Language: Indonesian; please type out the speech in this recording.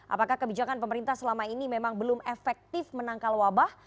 apakah kebijakan pemerintah selama ini memang belum efektif menangkal wabah